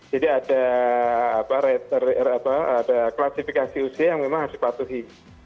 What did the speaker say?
jadi ada klastifikasi usia yang memang harus dipatuhi